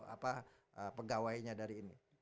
apa pegawainya dari ini